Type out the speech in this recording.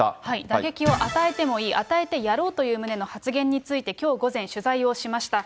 打撃を与えてもいい、与えてやろうという旨の発言について、きょう午前、取材をしました。